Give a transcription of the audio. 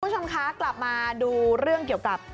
คุณผู้ชมคะกลับมาดูเรื่องเกี่ยวกับ